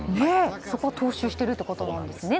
そこ、踏襲しているということなんですね。